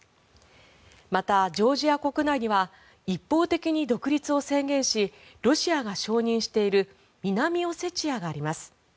また、ジョージア国内には一方的に独立を宣言しロシアが承認している南オセチアがあります。